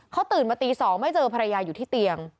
เขาตื่นมาตี๒ไม่เจอภรรยาอยู่ที่เตียง